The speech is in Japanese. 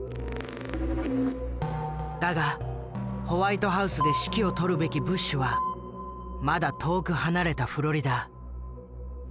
だがホワイトハウスで指揮を執るべきブッシュはまだ遠く離れたフロリダ。